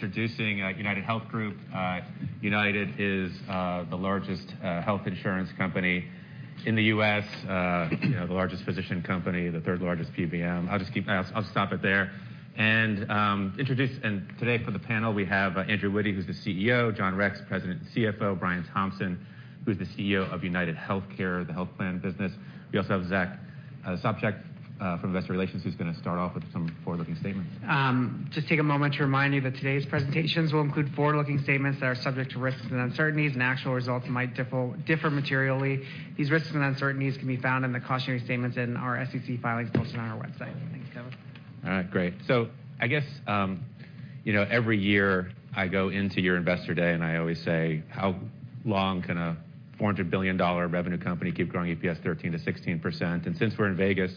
Introducing UnitedHealth Group. United is the largest health insurance company in the U.S., the largest physician company, the third largest PBM. I'll stop it there. And today for the panel, we have Andrew Witty, who's the CEO, John Rex, President and CFO, Brian Thompson, who's the CEO of UnitedHealthcare, the health plan business. We also have Zack Sopcak from Investor Relations, who's gonna start off with some forward-looking statements. Just take a moment to remind you that today's presentations will include forward-looking statements that are subject to risks and uncertainties, and actual results might differ materially. These risks and uncertainties can be found in the cautionary statements in our SEC filings posted on our website. Thanks, Kevin. All right, great. So I guess, you know, every year I go into your Investor Day, and I always say: How long can a $400 billion revenue company keep growing EPS 13%-16%? And since we're in Vegas,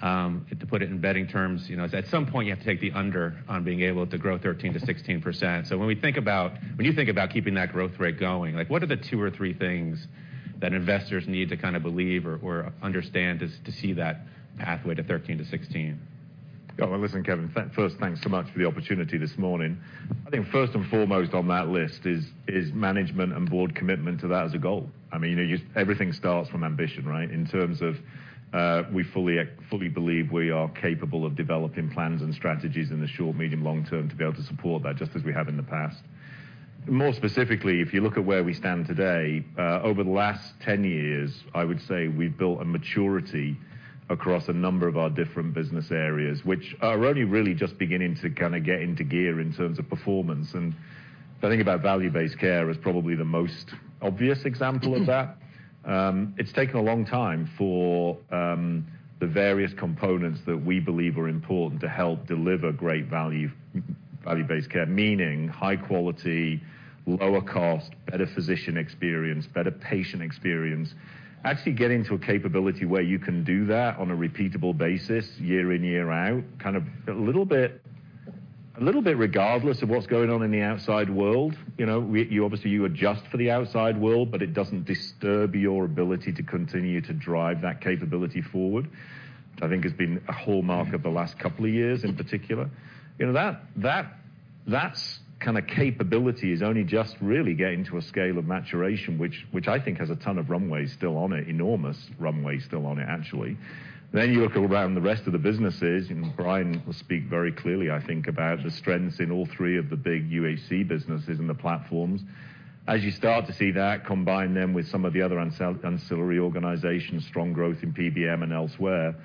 to put it in betting terms, you know, at some point, you have to take the under on being able to grow 13%-16%. So when you think about keeping that growth rate going, like, what are the two or three things that investors need to kind of believe or understand to see that pathway to 13%-16%? Yeah, well, listen, Kevin, first, thanks so much for the opportunity this morning. I think first and foremost on that list is management and board commitment to that as a goal. I mean, you know, just everything starts from ambition, right? In terms of, we fully believe we are capable of developing plans and strategies in the short, medium, long term to be able to support that, just as we have in the past. More specifically, if you look at where we stand today, over the last 10 years, I would say we've built a maturity across a number of our different business areas, which are only really just beginning to kind of get into gear in terms of performance. And I think about value-based care as probably the most obvious example of that. It's taken a long time for the various components that we believe are important to help deliver great value, value-based care, meaning high quality, lower cost, better physician experience, better patient experience. Actually getting to a capability where you can do that on a repeatable basis, year in, year out, kind of a little bit, a little bit regardless of what's going on in the outside world. You know, we—you obviously, you adjust for the outside world, but it doesn't disturb your ability to continue to drive that capability forward, I think, has been a hallmark of the last couple of years in particular. You know, that, that, that's kind of capability is only just really getting to a scale of maturation, which, which I think has a ton of runway still on it, enormous runway still on it, actually. Then you look around the rest of the businesses, and Brian will speak very clearly, I think, about the strengths in all three of the big UHC businesses and the platforms. As you start to see that, combine them with some of the other ancillary organizations, strong growth in PBM and elsewhere.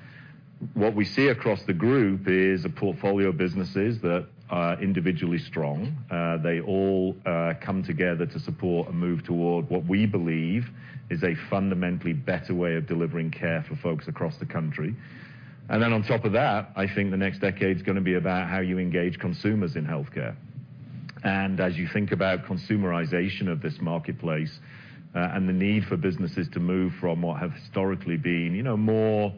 What we see across the group is a portfolio of businesses that are individually strong. They all come together to support and move toward what we believe is a fundamentally better way of delivering care for folks across the country. And then on top of that, I think the next decade is gonna be about how you engage consumers in healthcare. As you think about consumerization of this marketplace, and the need for businesses to move from what have historically been, you know, more,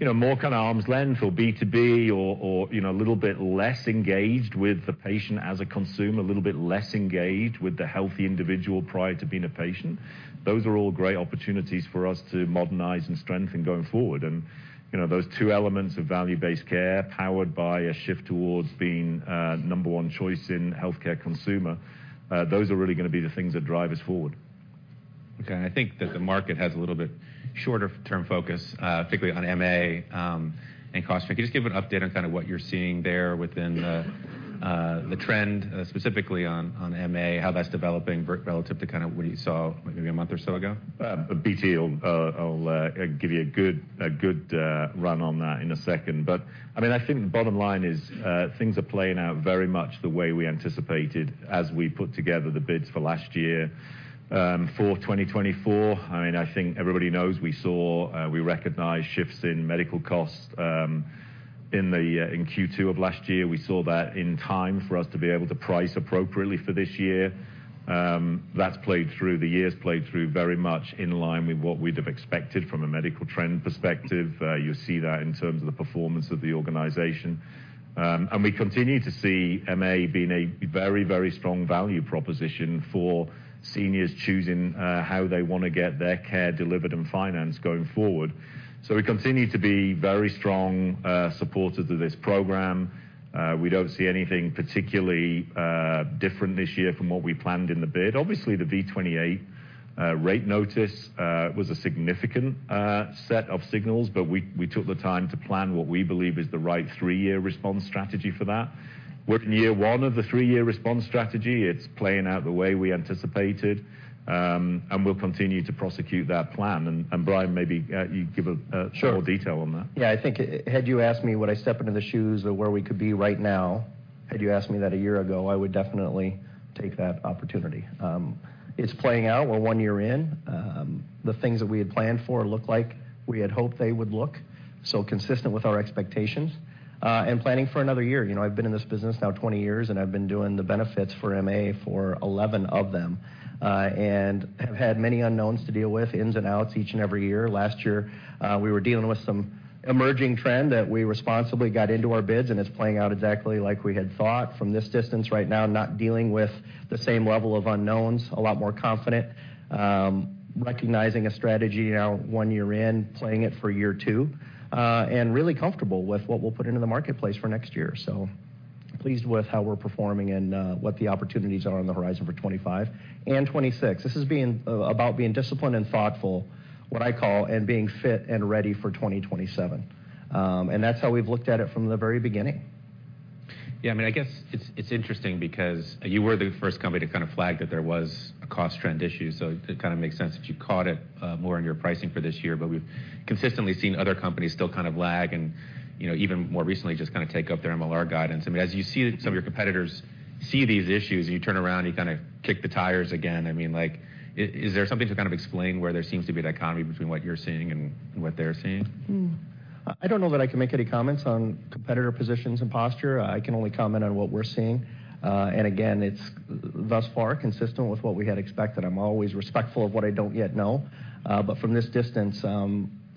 you know, more kind of arm's length or B2B or, you know, a little bit less engaged with the patient as a consumer, a little bit less engaged with the healthy individual prior to being a patient, those are all great opportunities for us to modernize and strengthen going forward. You know, those two elements of value-based care, powered by a shift towards being a number one choice in healthcare consumer, those are really gonna be the things that drive us forward. Okay, I think that the market has a little bit shorter term focus, particularly on MA, and cost. Can you just give an update on kind of what you're seeing there within the trend, specifically on MA, how that's developing relative to kind of what you saw maybe a month or so ago? BT will give you a good run on that in a second. But, I mean, I think the bottom line is, things are playing out very much the way we anticipated as we put together the bids for last year. For 2024, I mean, I think everybody knows we saw, we recognized shifts in medical costs, in Q2 of last year. We saw that in time for us to be able to price appropriately for this year. That's played through, the year's played through very much in line with what we'd have expected from a medical trend perspective. You'll see that in terms of the performance of the organization. And we continue to see MA being a very, very strong value proposition for seniors choosing how they wanna get their care delivered and financed going forward. So we continue to be very strong supporters of this program. We don't see anything particularly different this year from what we planned in the bid. Obviously, the V28 rate notice was a significant set of signals, but we took the time to plan what we believe is the right three-year response strategy for that. We're in year one of the three-year response strategy. It's playing out the way we anticipated, and we'll continue to prosecute that plan. And, Brian, maybe you give a- Sure. more detail on that. Yeah, I think had you asked me, would I step into the shoes of where we could be right now? Had you asked me that a year ago, I would definitely take that opportunity. It's playing out. We're one year in. The things that we had planned for look like we had hoped they would look, so consistent with our expectations, and planning for another year. You know, I've been in this business now 20 years, and I've been doing the benefits for MA for 11 of them, and have had many unknowns to deal with, ins and outs, each and every year. Last year, we were dealing with some emerging trend that we responsibly got into our bids, and it's playing out exactly like we had thought. From this distance right now, not dealing with the same level of unknowns, a lot more confident, recognizing a strategy now one year in, playing it for year 2, and really comfortable with what we'll put into the marketplace for next year, pleased with how we're performing and what the opportunities are on the horizon for '25 and '26. This is being about being disciplined and thoughtful, what I call, and being fit and ready for 2027. And that's how we've looked at it from the very beginning. Yeah, I mean, I guess it's interesting because you were the first company to kind of flag that there was a cost trend issue, so it kind of makes sense that you caught it more in your pricing for this year. But we've consistently seen other companies still kind of lag and, you know, even more recently, just kind of take up their MLR guidance. I mean, as you see some of your competitors see these issues, and you turn around and you kind of kick the tires again, I mean, like, is there something to kind of explain where there seems to be a dichotomy between what you're seeing and what they're seeing? I don't know that I can make any comments on competitor positions and posture. I can only comment on what we're seeing. And again, it's thus far consistent with what we had expected. I'm always respectful of what I don't yet know, but from this distance,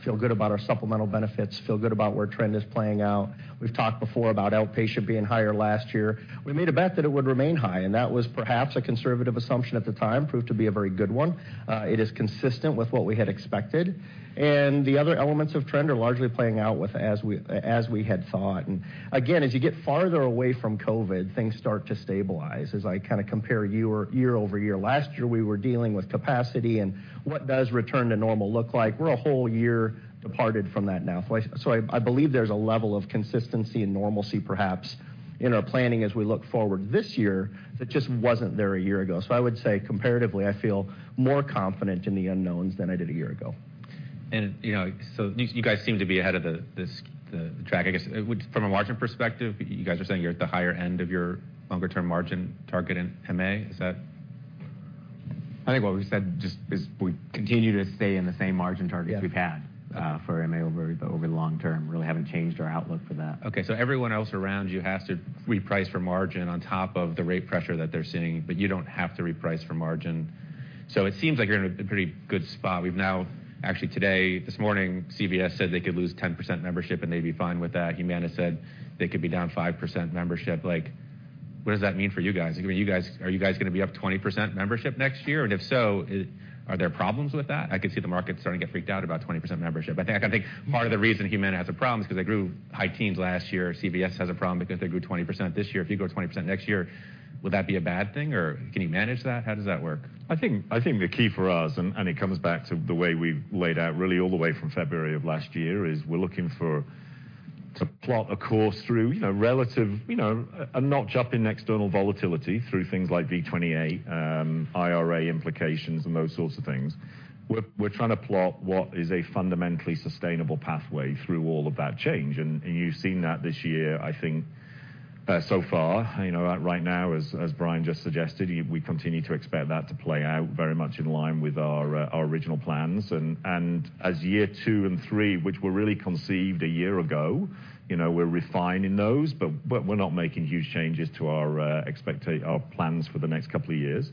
feel good about our supplemental benefits, feel good about where trend is playing out. We've talked before about outpatient being higher last year. We made a bet that it would remain high, and that was perhaps a conservative assumption at the time, proved to be a very good one. It is consistent with what we had expected, and the other elements of trend are largely playing out as we had thought. And again, as you get farther away from COVID, things start to stabilize, as I kinda compare year-over-year. Last year, we were dealing with capacity and what does return to normal look like? We're a whole year departed from that now. So I, so I believe there's a level of consistency and normalcy, perhaps, in our planning as we look forward this year, that just wasn't there a year ago. So I would say, comparatively, I feel more confident in the unknowns than I did a year ago. You know, so you guys seem to be ahead of the track. I guess from a margin perspective, you guys are saying you're at the higher end of your longer-term margin target in MA, is that... I think what we said just is, we continue to stay in the same margin targets- Yeah. -we've had for MA over the long term. We really haven't changed our outlook for that. Okay, so everyone else around you has to reprice for margin on top of the rate pressure that they're seeing, but you don't have to reprice for margin. So it seems like you're in a pretty good spot. Actually, today, this morning, CVS said they could lose 10% membership, and they'd be fine with that. Humana said they could be down 5% membership. Like, what does that mean for you guys? I mean, you guys, are you guys gonna be up 20% membership next year? And if so, are there problems with that? I can see the market starting to get freaked out about 20% membership. But I think, I think part of the reason Humana has a problem is because they grew high teens last year. CVS has a problem because they grew 20% this year. If you grow 20% next year, would that be a bad thing, or can you manage that? How does that work? I think, I think the key for us, and, and it comes back to the way we've laid out, really, all the way from February of last year, is we're looking to plot a course through, you know, relative, you know, a notch up in external volatility through things like V28, IRA implications, and those sorts of things. We're, we're trying to plot what is a fundamentally sustainable pathway through all of that change, and, and you've seen that this year, I think, so far. You know, right now, as, as Brian just suggested, we continue to expect that to play out very much in line with our, our original plans. As year 2 and 3, which were really conceived a year ago, you know, we're refining those, but we're not making huge changes to our plans for the next couple of years,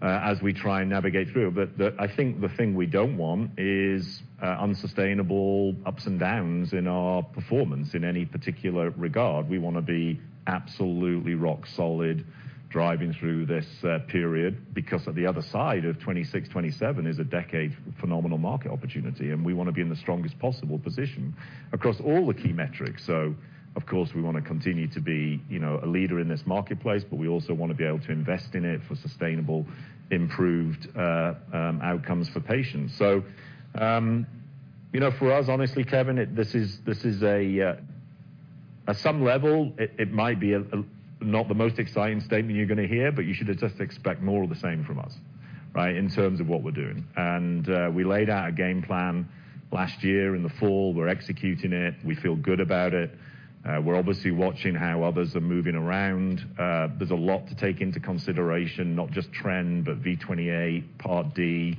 as we try and navigate through. But I think the thing we don't want is unsustainable ups and downs in our performance in any particular regard. We wanna be absolutely rock solid driving through this period, because at the other side of 2026, 2027 is a decade phenomenal market opportunity, and we want to be in the strongest possible position across all the key metrics. So of course, we wanna continue to be, you know, a leader in this marketplace, but we also want to be able to invest in it for sustainable, improved outcomes for patients. So, you know, for us, honestly, Kevin, this is a, at some level, it might be a, not the most exciting statement you're gonna hear, but you should just expect more of the same from us, right? In terms of what we're doing. We laid out a game plan last year in the fall. We're executing it. We feel good about it. We're obviously watching how others are moving around. There's a lot to take into consideration, not just trend, but V28, Part D.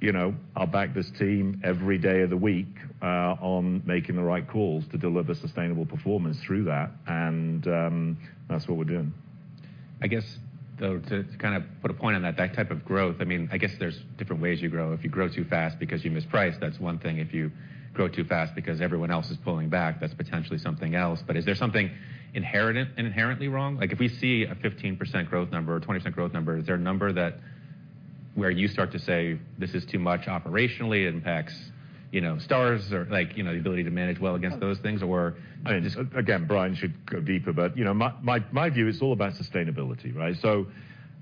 You know, I'll back this team every day of the week, on making the right calls to deliver sustainable performance through that, and, that's what we're doing. I guess, though, to, to kind of put a point on that, that type of growth, I mean, I guess there's different ways you grow. If you grow too fast because you mispriced, that's one thing. If you grow too fast because everyone else is pulling back, that's potentially something else. But is there something inherent, inherently wrong? Like, if we see a 15% growth number or a 20% growth number, is there a number that where you start to say, "This is too much operationally, it impacts, you know, Stars," or, like, you know, the ability to manage well against those things, or I mean, just- Again, Brian should go deeper, but, you know, my view is all about sustainability, right? So...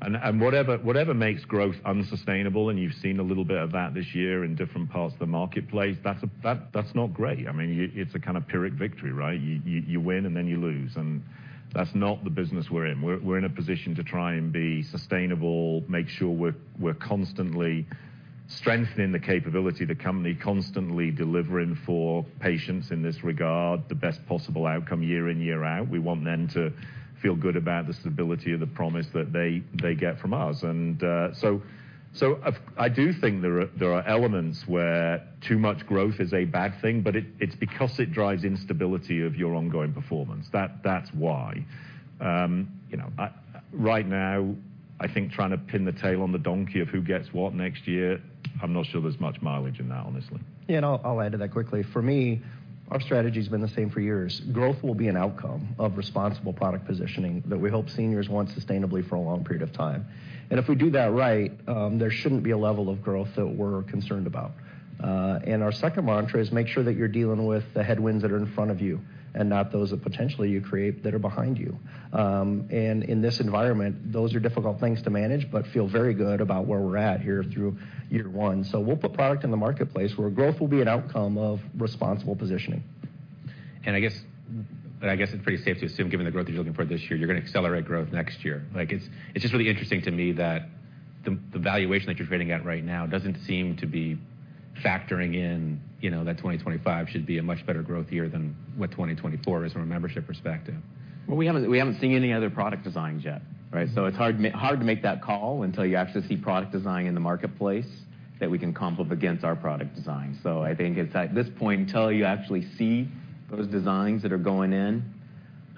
And whatever makes growth unsustainable, and you've seen a little bit of that this year in different parts of the marketplace, that's not great. I mean, it's a kind of pyrrhic victory, removed uh, right? You win, and then you lose, and that's not the business we're in. We're in a position to try and be sustainable, make sure we're constantly strengthening the capability of the company, constantly delivering for patients in this regard, the best possible outcome year in, year out. We want them to feel good about the stability of the promise that they get from us. I do think there are, there are elements where too much growth is a bad thing, but it, it's because it drives instability of your ongoing performance. That's why. You know, right now, I think trying to pin the tail on the donkey of who gets what next year, I'm not sure there's much mileage in that, honestly. Yeah, and I'll add to that quickly. For me, our strategy's been the same for years. Growth will be an outcome of responsible product positioning that we hope seniors want sustainably for a long period of time. And if we do that right, there shouldn't be a level of growth that we're concerned about. And our second mantra is, make sure that you're dealing with the headwinds that are in front of you and not those that potentially you create that are behind you. And in this environment, those are difficult things to manage but feel very good about where we're at here through year 1. So we'll put product in the marketplace, where growth will be an outcome of responsible positioning. I guess it's pretty safe to assume, given the growth you're looking for this year, you're gonna accelerate growth next year. Like, it's just really interesting to me that the valuation that you're trading at right now doesn't seem to be factoring in, you know, that 2025 should be a much better growth year than what 2024 is from a membership perspective. Well, we haven't, we haven't seen any other product designs yet, right? So it's hard to make that call until you actually see product design in the marketplace that we can comp up against our product design. So I think it's at this point, until you actually see those designs that are going in,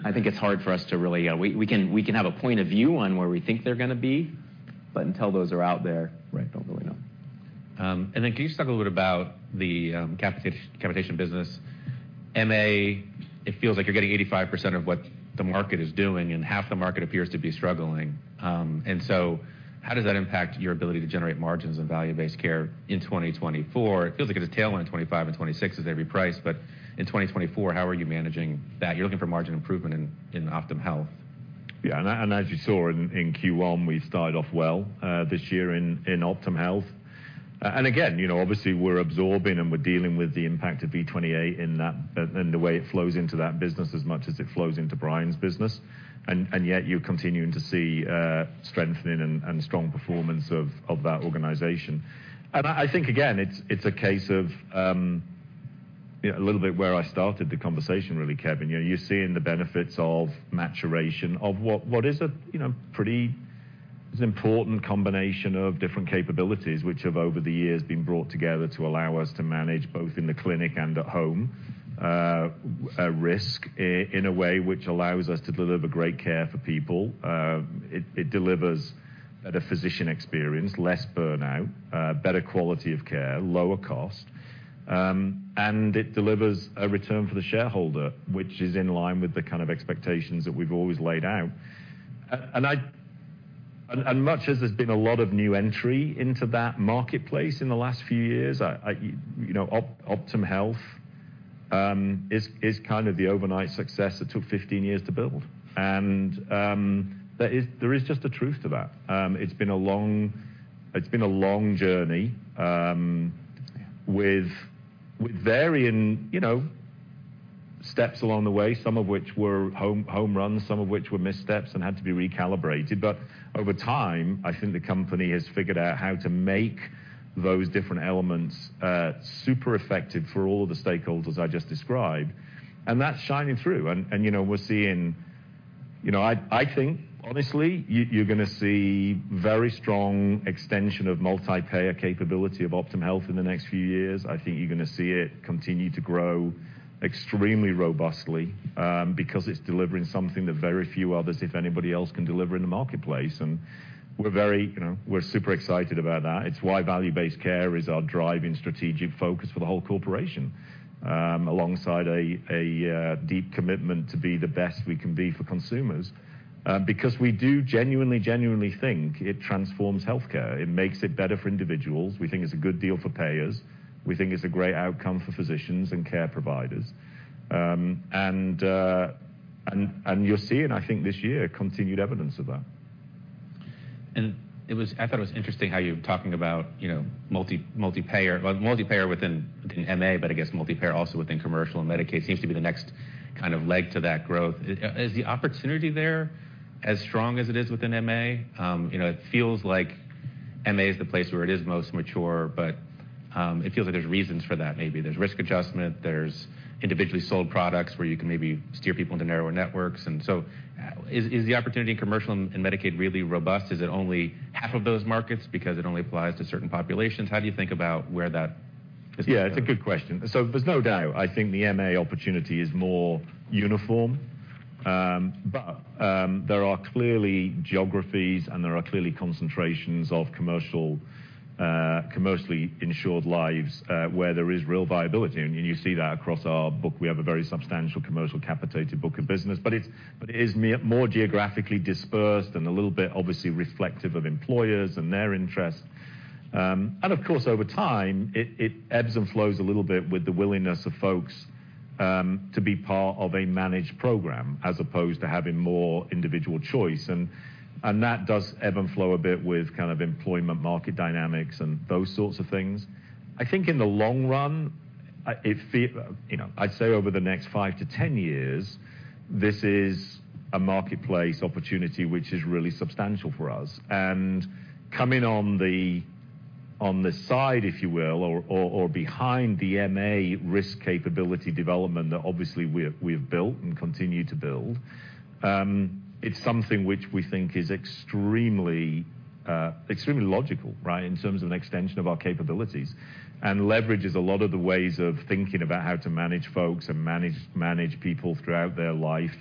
I think it's hard for us to really... We, we can, we can have a point of view on where we think they're gonna be, but until those are out there. Right. Don't really know. And then can you just talk a little bit about the, capitation, capitation business? MA, it feels like you're getting 85% of what the market is doing, and half the market appears to be struggling. And so how does that impact your ability to generate margins and value-based care in 2024? It feels like it's a tailwind in 2025 and 2026 as they reprice, but in 2024, how are you managing that? You're looking for margin improvement in, in Optum Health. Yeah, and as you saw in Q1, we started off well this year in Optum Health. And again, you know, obviously, we're absorbing, and we're dealing with the impact of V28 in that, and the way it flows into that business as much as it flows into Brian's business. And yet you're continuing to see strengthening and strong performance of that organization. And I think, again, it's a case of, you know, a little bit where I started the conversation, really, Kevin. You know, you're seeing the benefits of maturation, of what, what is a, you know, pretty important combination of different capabilities, which have, over the years, been brought together to allow us to manage both in the clinic and at home, a risk in a way which allows us to deliver great care for people. It delivers, at a physician experience, less burnout, better quality of care, lower cost, and it delivers a return for the shareholder, which is in line with the kind of expectations that we've always laid out. And much as there's been a lot of new entry into that marketplace in the last few years, I... You know, Optum Health is kind of the overnight success that took 15 years to build. And there is, there is just a truth to that. It's been a long, it's been a long journey, with, with varying, you know, steps along the way, some of which were home, home runs, some of which were missteps and had to be recalibrated. But over time, I think the company has figured out how to make those different elements, super effective for all of the stakeholders I just described, and that's shining through. And, and, you know, we're seeing... You know, I, I think, honestly, you, you're gonna see very strong extension of multi-payer capability of Optum Health in the next few years. I think you're gonna see it continue to grow extremely robustly, because it's delivering something that very few others, if anybody else, can deliver in the marketplace. And we're very, you know, we're super excited about that. It's why value-based care is our driving strategic focus for the whole corporation, alongside a deep commitment to be the best we can be for consumers. Because we do genuinely, genuinely think it transforms healthcare. It makes it better for individuals. We think it's a good deal for payers. We think it's a great outcome for physicians and care providers. And you're seeing, I think, this year, continued evidence of that. It was. I thought it was interesting how you were talking about, you know, multi-payer, well, multi-payer within MA, but I guess multi-payer also within commercial and Medicaid, seems to be the next kind of leg to that growth. Is the opportunity there as strong as it is within MA? You know, it feels like MA is the place where it is most mature, but it feels like there's reasons for that. Maybe there's risk adjustment, there's individually sold products where you can maybe steer people into narrower networks. And so, is the opportunity in commercial and Medicaid really robust? Is it only half of those markets because it only applies to certain populations? How do you think about where that is going? Yeah, it's a good question. So there's no doubt, I think the MA opportunity is more uniform. But there are clearly geographies, and there are clearly concentrations of commercial, commercially insured lives, where there is real viability, and you see that across our book. We have a very substantial commercial capitated book of business, but it's, but it is more geographically dispersed and a little bit, obviously, reflective of employers and their interests. And of course, over time, it ebbs and flows a little bit with the willingness of folks to be part of a managed program as opposed to having more individual choice. And that does ebb and flow a bit with kind of employment market dynamics and those sorts of things. I think in the long run, it fee... You know, I'd say over the next 5-10 years, this is a marketplace opportunity which is really substantial for us. And coming on the side, if you will, or behind the MA risk capability development that obviously we've built and continue to build, it's something which we think is extremely extremely logical, right? In terms of an extension of our capabilities. And leverages a lot of the ways of thinking about how to manage folks and manage people throughout their life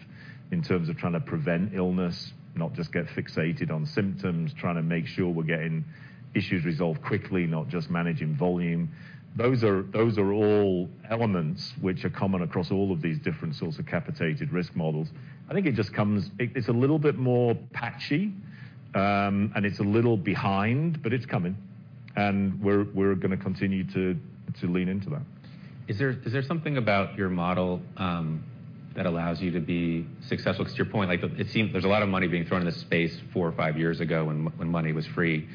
in terms of trying to prevent illness, not just get fixated on symptoms, trying to make sure we're getting issues resolved quickly, not just managing volume. Those are all elements which are common across all of these different sorts of capitated risk models. I think it just comes... It's a little bit more patchy, and it's a little behind, but it's coming, and we're gonna continue to lean into that. Is there, is there something about your model that allows you to be successful? Because to your point, like, it seems there's a lot of money being thrown in this space 4 or 5 years ago, when money was free.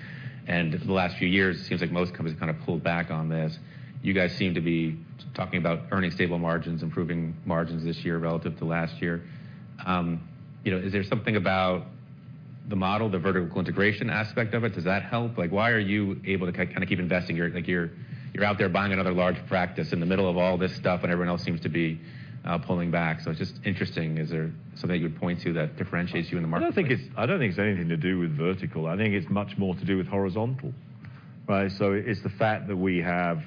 And the last few years, it seems like most companies kind of pulled back on this. You guys seem to be talking about earning stable margins, improving margins this year relative to last year. You know, is there something about the model, the vertical integration aspect of it? Does that help? Like, why are you able to kind of keep investing? You're like, you're out there buying another large practice in the middle of all this stuff, when everyone else seems to be pulling back. So it's just interesting. Is there something that you would point to that differentiates you in the market? I don't think it's anything to do with vertical. I think it's much more to do with horizontal, right? So it's the fact that we have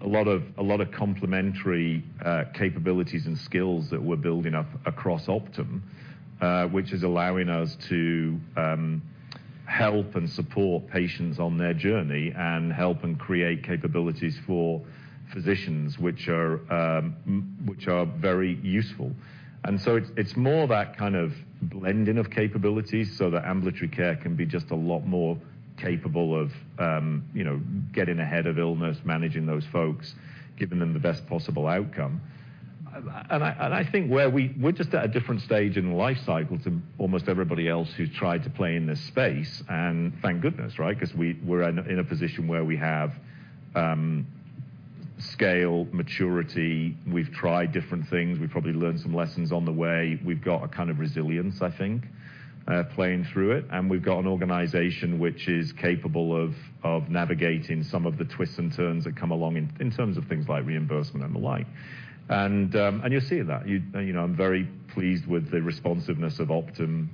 a lot of complementary capabilities and skills that we're building up across Optum, which is allowing us to help and support patients on their journey and help and create capabilities for physicians, which are very useful. And so it's more that kind of blending of capabilities so that ambulatory care can be just a lot more capable of, you know, getting ahead of illness, managing those folks, giving them the best possible outcome. And I think we're just at a different stage in the life cycle to almost everybody else who's tried to play in this space, and thank goodness, right? Because we're in a position where we have scale, maturity. We've tried different things. We've probably learned some lessons on the way. We've got a kind of resilience, I think, playing through it, and we've got an organization which is capable of navigating some of the twists and turns that come along in terms of things like reimbursement and the like. And you'll see that. You know, I'm very pleased with the responsiveness of Optum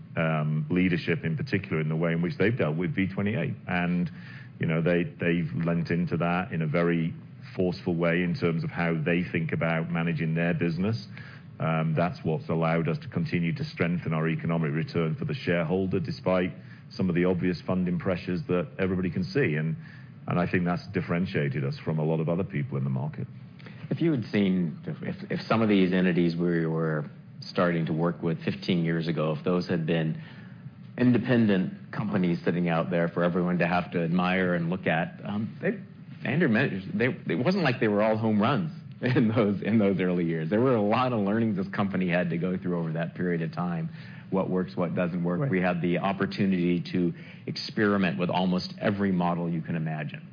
leadership, in particular, in the way in which they've dealt with V28. And you know, they've leant into that in a very forceful way in terms of how they think about managing their business. That's what's allowed us to continue to strengthen our economic return for the shareholder, despite some of the obvious funding pressures that everybody can see. I think that's differentiated us from a lot of other people in the market. If you had seen—if some of these entities we were starting to work with 15 years ago, if those had been independent companies sitting out there for everyone to have to admire and look at, they—Andrew mentioned, they, it wasn't like they were all home runs in those early years. There were a lot of learnings this company had to go through over that period of time. What works, what doesn't work. Right. We had the opportunity to experiment with almost every model you can imagine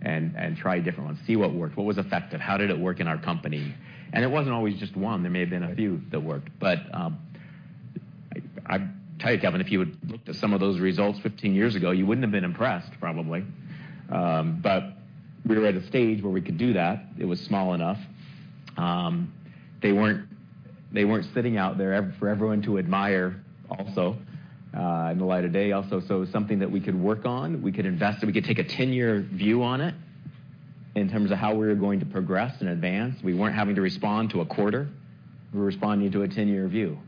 and try different ones, see what worked, what was effective, how did it work in our company? And it wasn't always just one. There may have been a few that worked, but I tell you, Kevin, if you had looked at some of those results 15 years ago, you wouldn't have been impressed, probably. But we were at a stage where we could do that. It was small enough. They weren't sitting out there for everyone to admire also in the light of day also. So it was something that we could work on, we could invest, and we could take a 10-year view on it in terms of how we were going to progress in advance. We weren't having to respond to a quarter. We were responding to a 10-year view.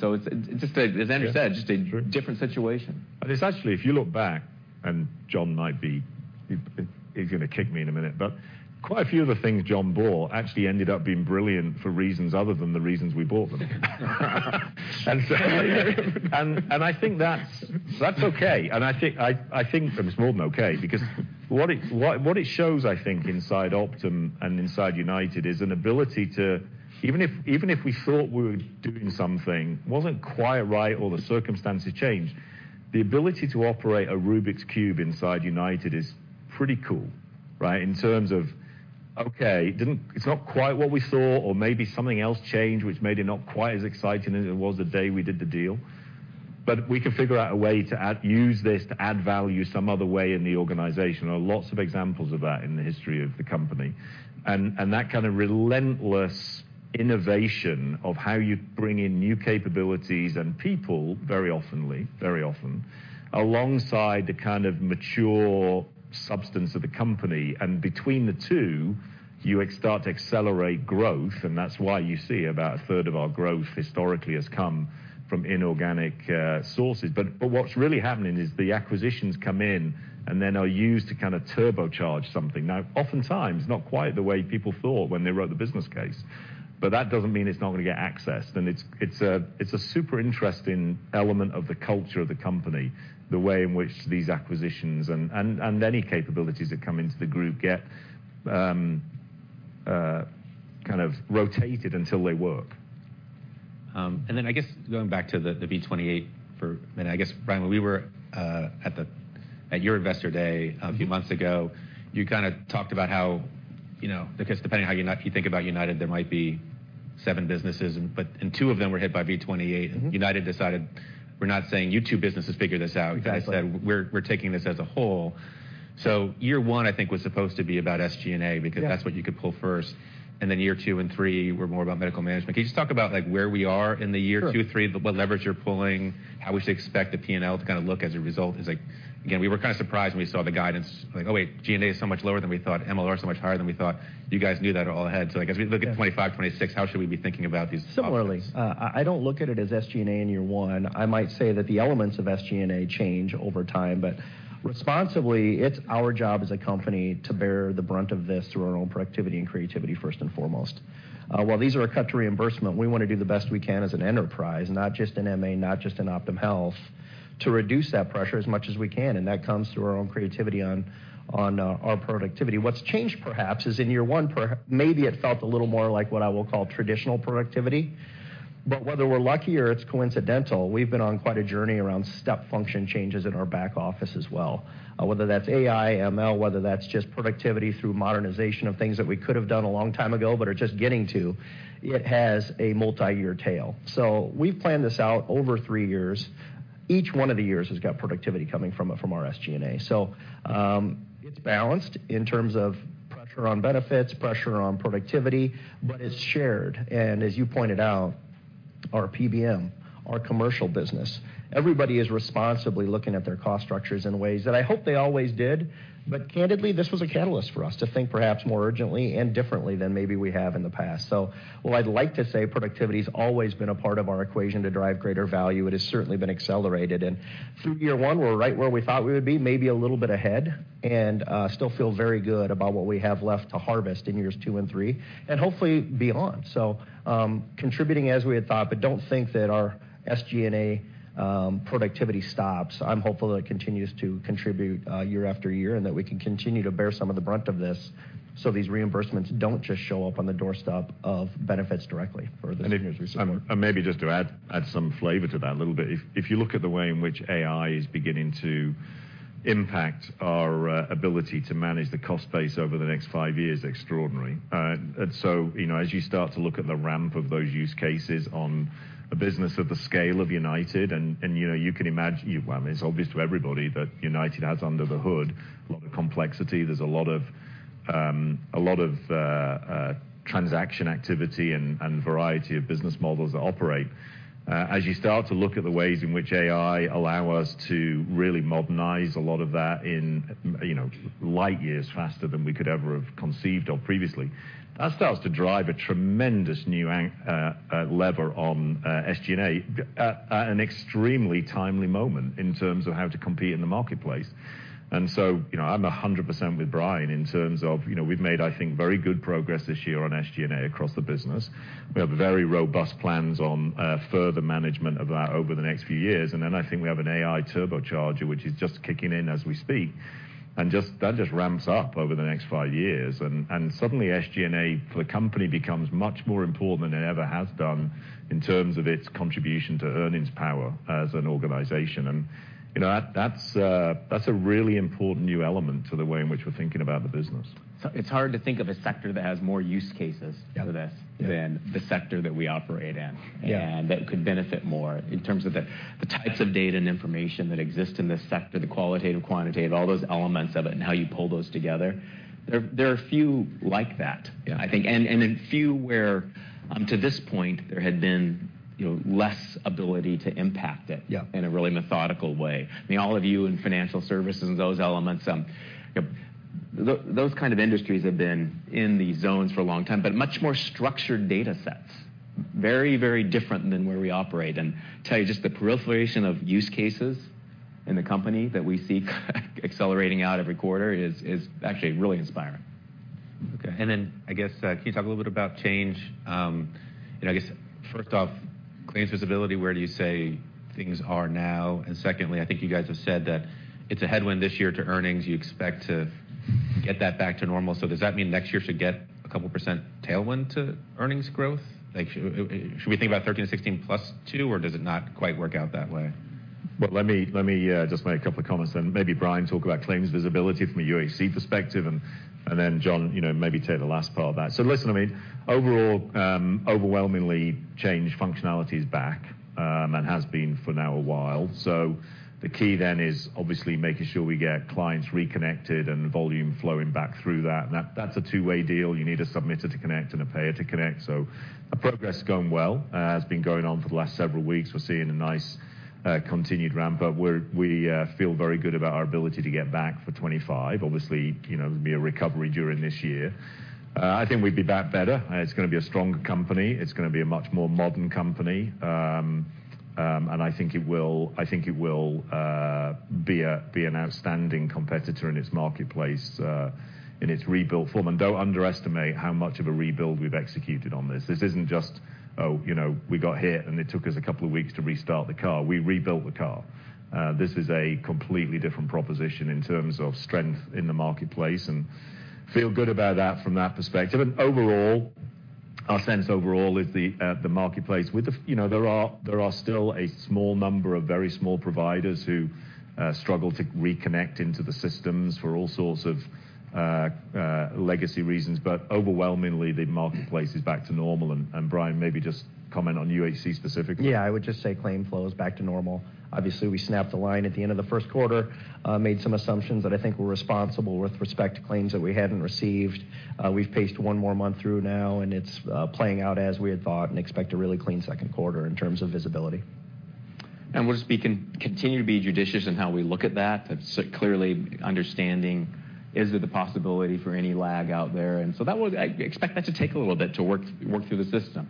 So it's just a- Yes... as Andrew said, just a different situation. And it's actually, if you look back, and John might be, he's gonna kick me in a minute, but quite a few of the things John bought actually ended up being brilliant for reasons other than the reasons we bought them. And I think that's okay. And I think it's more than okay, because what it shows, I think, inside Optum and inside United, is an ability to... Even if we thought we were doing something, it wasn't quite right or the circumstances changed, the ability to operate a Rubik's Cube inside United is pretty cool, right? In terms of, okay, it's not quite what we saw or maybe something else changed, which made it not quite as exciting as it was the day we did the deal, but we can figure out a way to use this to add value some other way in the organization. There are lots of examples of that in the history of the company. And, and that kind of relentless innovation of how you bring in new capabilities and people, very often, very often, alongside the kind of mature substance of the company, and between the two, you start to accelerate growth. And that's why you see about a third of our growth historically has come from inorganic sources. But, but what's really happening is the acquisitions come in and then are used to kind of turbocharge something. Now, oftentimes, not quite the way people thought when they wrote the business case, but that doesn't mean it's not gonna get accessed. And it's a super interesting element of the culture of the company, the way in which these acquisitions and any capabilities that come into the group get kind of rotated until they work. And then I guess going back to the V28 for a minute. I guess, Brian, when we were at your Investor Day a few months ago, you kinda talked about how, you know, because depending on how United—you think about United, there might be seven businesses, and two of them were hit by V28. Mm-hmm. United decided, we're not saying you two businesses figure this out. Exactly. You guys said, "We're, we're taking this as a whole." So year 1, I think, was supposed to be about SG&A- Yeah... because that's what you could pull first, and then year 2 and 3 were more about medical management. Can you just talk about, like, where we are in the year- Sure... 2, 3, what leverage you're pulling, how we should expect the P&L to kind of look as a result? Because, like, again, we were kind of surprised when we saw the guidance, like, "Oh, wait, G&A is so much lower than we thought. MLR is so much higher than we thought." You guys knew that all ahead. So I guess- Yeah... we look at '25, '26, how should we be thinking about these options? Similarly, I don't look at it as SG&A in year 1. I might say that the elements of SG&A change over time, but responsibly, it's our job as a company to bear the brunt of this through our own productivity and creativity, first and foremost. While these are a cut to reimbursement, we want to do the best we can as an enterprise, not just in MA, not just in Optum Health, to reduce that pressure as much as we can, and that comes through our own creativity on, on, our productivity. What's changed, perhaps, is in year 1, maybe it felt a little more like what I will call traditional productivity.... But whether we're lucky or it's coincidental, we've been on quite a journey around step function changes in our back office as well. Whether that's AI, ML, whether that's just productivity through modernization of things that we could have done a long time ago, but are just getting to, it has a multiyear tail. So we've planned this out over three years. Each one of the years has got productivity coming from it, from our SG&A. So, it's balanced in terms of pressure on benefits, pressure on productivity, but it's shared. And as you pointed out, our PBM, our commercial business, everybody is responsibly looking at their cost structures in ways that I hope they always did. But candidly, this was a catalyst for us to think perhaps more urgently and differently than maybe we have in the past. So while I'd like to say productivity's always been a part of our equation to drive greater value, it has certainly been accelerated. And through year 1, we're right where we thought we would be, maybe a little bit ahead, and still feel very good about what we have left to harvest in years 2 and 3, and hopefully beyond. So, contributing as we had thought, but don't think that our SG&A productivity stops. I'm hopeful that it continues to contribute year after year, and that we can continue to bear some of the brunt of this, so these reimbursements don't just show up on the doorstep of benefits directly for the seniors we support. And maybe just to add some flavor to that a little bit. If you look at the way in which AI is beginning to impact our ability to manage the cost base over the next five years, extraordinary. And so, you know, as you start to look at the ramp of those use cases on a business of the scale of United, and you know, you can imagine—Well, I mean, it's obvious to everybody that United has, under the hood, a lot of complexity. There's a lot of transaction activity and variety of business models that operate. As you start to look at the ways in which AI allow us to really modernize a lot of that in, you know, light years faster than we could ever have conceived of previously, that starts to drive a tremendous new lever on SG&A at an extremely timely moment in terms of how to compete in the marketplace. And so, you know, I'm 100% with Brian in terms of, you know, we've made, I think, very good progress this year on SG&A across the business. We have very robust plans on further management of that over the next few years. And then I think we have an AI turbocharger, which is just kicking in as we speak, and just that just ramps up over the next five years. Suddenly, SG&A for the company becomes much more important than it ever has done in terms of its contribution to earnings power as an organization. And, you know, that's a really important new element to the way in which we're thinking about the business. It's hard to think of a sector that has more use cases- Yeah. for this than the sector that we operate in. Yeah. That could benefit more in terms of the types of data and information that exist in this sector, the qualitative, quantitative, all those elements of it, and how you pull those together. There are few like that. Yeah. I think, and then few where, to this point, there had been, you know, less ability to impact it- Yeah in a really methodical way. I mean, all of you in financial services and those elements, you know, those kind of industries have been in these zones for a long time, but much more structured data sets. Very, very different than where we operate. And tell you, just the proliferation of use cases in the company that we see accelerating out every quarter is actually really inspiring. Okay. And then, I guess, can you talk a little bit about Change? And I guess, first off, claims visibility, where do you say things are now? And secondly, I think you guys have said that it's a headwind this year to earnings. You expect to get that back to normal. So does that mean next year should get a couple percent tailwind to earnings growth? Like, should we think about 13-16 plus two, or does it not quite work out that way? Well, let me, let me just make a couple of comments, and maybe Brian, talk about claims visibility from a UHC perspective and then, John, you know, maybe take the last part of that. So listen, I mean, overall, overwhelmingly, Change functionality is back, and has been for now a while. So the key then is obviously making sure we get clients reconnected and volume flowing back through that. And that's a two-way deal. You need a submitter to connect and a payer to connect. So our progress is going well, has been going on for the last several weeks. We're seeing a nice, continued ramp up, where we feel very good about our ability to get back for 2025. Obviously, you know, there'll be a recovery during this year. I think we'd be back better. It's gonna be a stronger company. It's gonna be a much more modern company. And I think it will, I think it will, be an outstanding competitor in its marketplace, in its rebuilt form. And don't underestimate how much of a rebuild we've executed on this. This isn't just, oh, you know, we got hit, and it took us a couple of weeks to restart the car. We rebuilt the car. This is a completely different proposition in terms of strength in the marketplace, and feel good about that from that perspective. And overall, our sense overall is the marketplace. With the... You know, there are, there are still a small number of very small providers who struggle to reconnect into the systems for all sorts of legacy reasons, but overwhelmingly, the marketplace is back to normal. Brian, maybe just comment on UHC specifically. Yeah, I would just say claim flow is back to normal. Obviously, we snapped the line at the end of the first quarter, made some assumptions that I think were responsible with respect to claims that we hadn't received. We've paced one more month through now, and it's playing out as we had thought and expect a really clean second quarter in terms of visibility. And we'll just continue to be judicious in how we look at that. That's clearly understanding, is there the possibility for any lag out there? And so that would. I expect that to take a little bit to work through the system.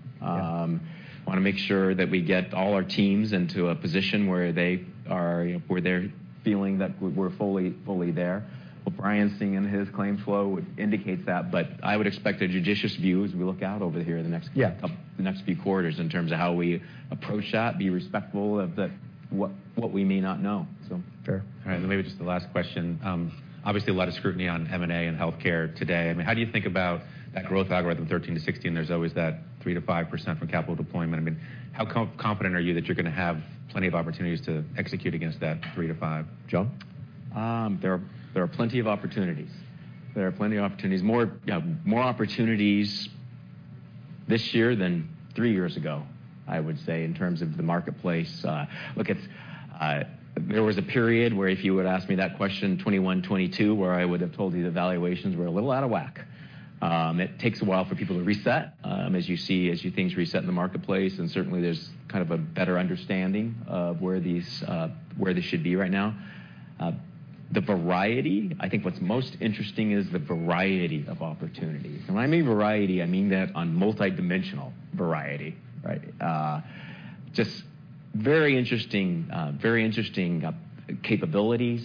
Wanna make sure that we get all our teams into a position where they are, you know, where they're feeling that we're fully there. What Brian's seeing in his claim flow indicates that, but I would expect a judicious view as we look out over here in the next- Yeah... couple, the next few quarters in terms of how we approach that, be respectful of the, what, what we may not know, so. Fair. All right. Maybe just the last question. Obviously, a lot of scrutiny on M&A and healthcare today. I mean, how do you think about that growth algorithm, 13-16? There's always that 3%-5% for capital deployment. I mean, how confident are you that you're gonna have plenty of opportunities to execute against that 3%-5%? John? There are plenty of opportunities. There are plenty of opportunities. More opportunities this year than three years ago, I would say, in terms of the marketplace. Look, it's... There was a period where if you were to ask me that question, 2021, 2022, where I would have told you the valuations were a little out of whack. It takes a while for people to reset. As you see things reset in the marketplace, and certainly there's kind of a better understanding of where these, where they should be right now. The variety, I think what's most interesting is the variety of opportunities. And when I mean variety, I mean that on multidimensional variety, right? Just very interesting, very interesting, capabilities,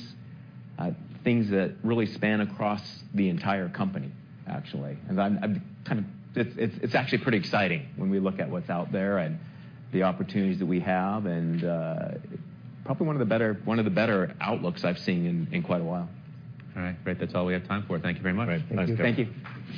things that really span across the entire company, actually. And I'm, I'm kind of... It's actually pretty exciting when we look at what's out there and the opportunities that we have, and probably one of the better outlooks I've seen in quite a while. All right. Great. That's all we have time for. Thank you very much. Great. Thank you.